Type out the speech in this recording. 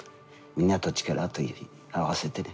みんなと力を合わせてね。